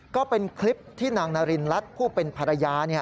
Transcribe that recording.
ก็เป็นคลิปที่นางนารินรัฐผู้เป็นภรรยา